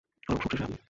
আর সবশেষে আমি।